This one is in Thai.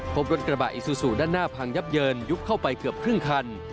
พบรถกระบะอิซูซูด้านหน้าพังยับเยินยุบเข้าไปเกือบครึ่งคัน